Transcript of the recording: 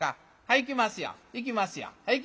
いきますよいきますよ。